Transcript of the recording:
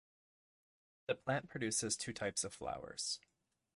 The plant produces two types of flowers.